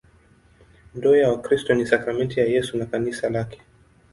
Ndoa ya Wakristo ni sakramenti ya Yesu na Kanisa lake.